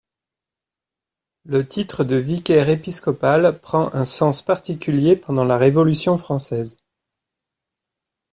Le titre de vicaire épiscopal prend un sens particulier pendant la Révolution française.